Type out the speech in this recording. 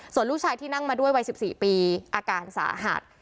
ส่วนลูกชายที่นั่งมาด้วยวัย๑๔ปีอาการสาหัส